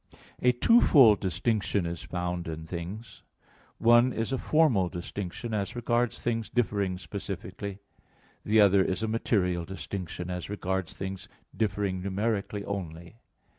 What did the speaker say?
A twofold distinction is found in things; one is a formal distinction as regards things differing specifically; the other is a material distinction as regards things differing numerically only.